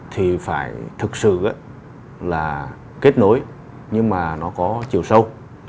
thì phải thực sự là kết nối nhưng mà nó có chiều sâu